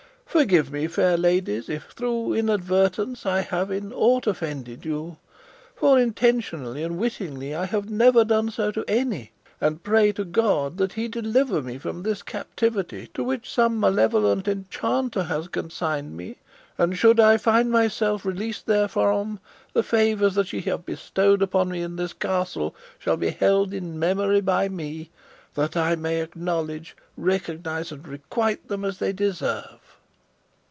Forgive me, fair ladies, if, through inadvertence, I have in aught offended you; for intentionally and wittingly I have never done so to any; and pray to God that he deliver me from this captivity to which some malevolent enchanter has consigned me; and should I find myself released therefrom, the favours that ye have bestowed upon me in this castle shall be held in memory by me, that I may acknowledge, recognise, and requite them as they deserve."